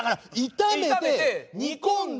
炒めて煮込んで。